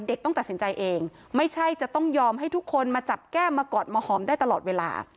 ต้องตัดสินใจเองไม่ใช่จะต้องยอมให้ทุกคนมาจับแก้มมากอดมาหอมได้ตลอดเวลา